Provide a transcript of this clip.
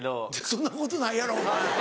そんなことないやろお前。